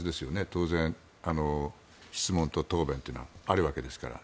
当然、質問と答弁というのはあるわけですから。